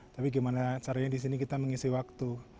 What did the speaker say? tapi gimana caranya di sini kita mengisi waktu